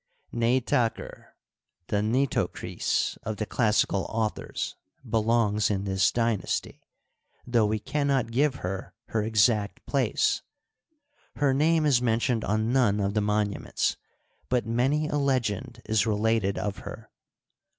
Neitaqer, the Nitocris of the classical authors, be longs in this dynasty, though we can not give her her exact place. Her name is mentioned on none of the monu ments, but many a legend is related of her.